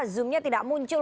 zoomnya tidak muncul